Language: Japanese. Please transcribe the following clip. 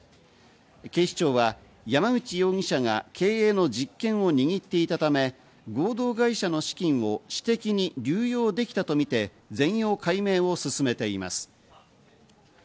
警視庁は山内容疑者が経営の実権を握っていたため、合同会社の資金を私的に流用できたとみて全容解明を進めています。